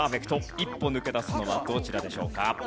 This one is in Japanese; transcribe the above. １歩抜け出すのはどちらでしょうか？